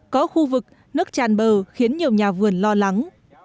có khu vực nước tràn bờ khiến nhiều nhà vườn lo lắng